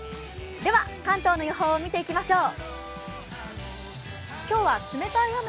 では、関東の予報を見ていきましょう。